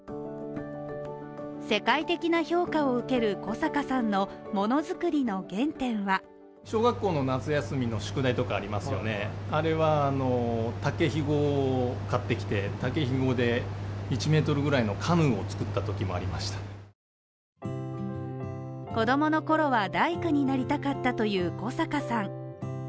世界的な評価を受ける小阪さんの物作りの原点は子供のころは大工になりたかったという小阪さん。